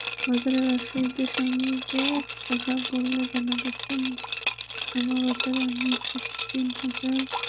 বাজারের ব্যবসায়ীদের সঙ্গে কথা বলে জানা গেছে, নামাবাজরে অন্তত তিন হাজার ব্যবসায়ী আছেন।